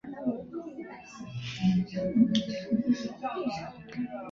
松林园蛛为园蛛科园蛛属的动物。